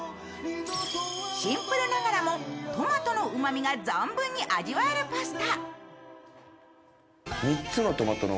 シンプルながらもトマトのうまみが存分に味わえるパスタ。